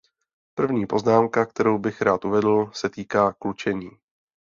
První poznámka, kterou bych rád uvedl, se týká klučení.